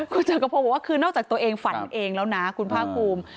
คุณจักรพงศ์บอกว่าคือนอกจากตัวเองฝันเองแล้วนะคุณภาคภูมิ